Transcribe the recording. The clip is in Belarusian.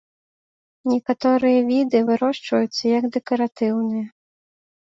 Некаторыя віды вырошчваюцца як дэкаратыўныя.